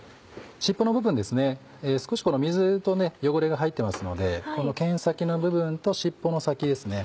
尻尾の部分ですね少し水と汚れが入ってますのでこの剣先の部分と尻尾の先ですね